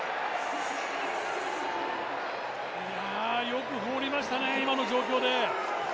よく放りましたね、今の状況で。